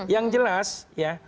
yang jelas ya